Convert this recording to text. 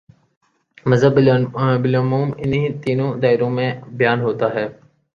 مذہب بالعموم انہی تینوں دائروں میں بیان ہوتا ہے۔